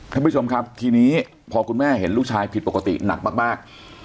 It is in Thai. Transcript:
ท่านผู้ชมครับทีนี้พอคุณแม่เห็นลูกชายผิดปกติหนักมาก